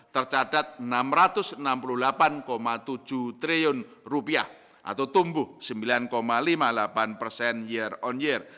tercatat enam ratus enam puluh delapan tujuh triliun rupiah atau tumbuh sembilan lima puluh delapan persen year on year